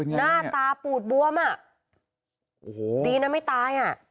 หน้าตาปูดบวมอ่ะโอ้โหดีนะไม่ตายอ่ะ